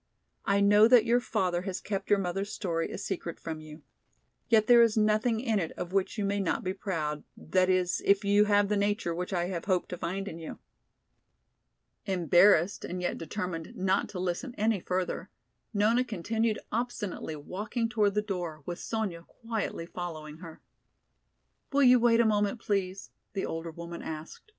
I know that your father has kept your mother's story a secret from you. Yet there is nothing in it of which you may not be proud, that is, if you have the nature which I have hoped to find in you." Embarrassed and yet determined not to listen any further, Nona continued obstinately walking toward the door, with Sonya quietly following her. "Will you wait a moment, please?" the older woman asked.